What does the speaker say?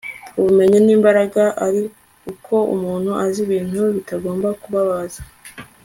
ubumenyi ni imbaraga ari uko umuntu azi ibintu bitagomba kubabaza